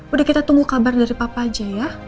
udah kita tunggu kabar dari papa aja ya